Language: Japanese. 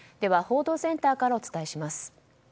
報道センターからお伝えします。